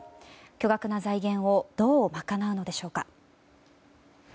巨額な財源をどう賄うのでしょうか。